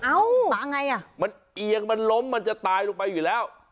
ตาไงอ่ะมันเอียงมันล้มมันจะตายลงไปอยู่แล้ว